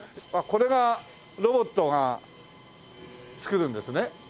これがロボットが作るんですね？